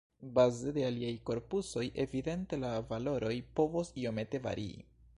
Baze de aliaj korpusoj evidente la valoroj povos iomete varii.